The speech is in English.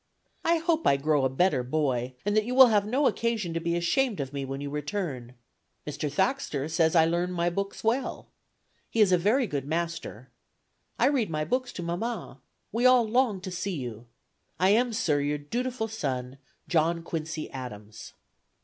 I hope I grow a better boy, and that you will have no occasion to be ashamed of me when you return. Mr. Thaxter says I learn my books well. He is a very good master. I read my books to mamma. We all long to see you. I am, sir, your dutiful son, "JOHN QUINCY ADAMS."